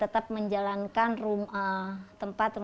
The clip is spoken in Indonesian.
saya ingin menekan se injust przeciversi